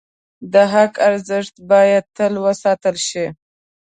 د حق ارزښت باید تل وساتل شي.